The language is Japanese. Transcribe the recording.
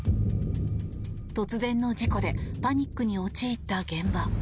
突然の事故でパニックに陥った現場。